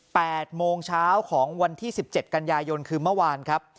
แปดโมงเช้าของวันที่สิบเจ็ดกันยายนคือเมื่อวานครับ